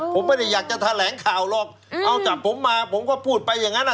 ผมไม่ได้อยากจะแถลงข่าวหรอกเอาจับผมมาผมก็พูดไปอย่างนั้นอ่ะ